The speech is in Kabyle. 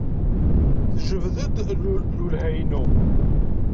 Tejbed-d lwelha-inu.